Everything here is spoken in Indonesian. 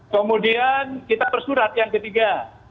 kemudian kita bersurat yang ketiga